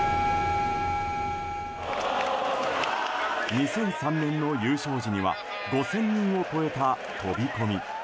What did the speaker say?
２００３年の優勝時には５０００人を超えた飛び込み。